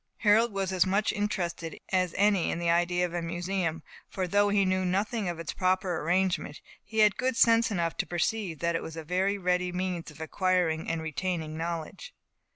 Harold was as much interested as any in the idea of a museum; for though he knew nothing of its proper arrangement, he had good sense enough to perceive that it was a very ready means of acquiring and retaining knowledge.